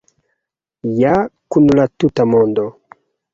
Ja kun la tuta mondo!